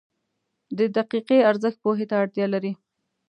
• د دقیقه ارزښت پوهې ته اړتیا لري.